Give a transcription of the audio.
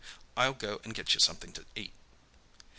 I'll go and get you something to eat."